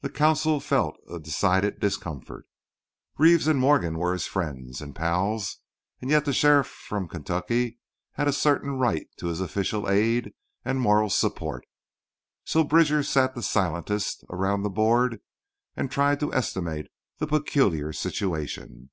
The consul felt a decided discomfort. Reeves and Morgan were his friends and pals; yet the sheriff from Kentucky had a certain right to his official aid and moral support. So Bridger sat the silentest around the board and tried to estimate the peculiar situation.